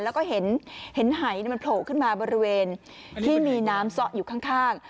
แล้วก็เห็นหัยโผล่ขึ้นมาบริเวณน้ำเสาะอยู่ข้าง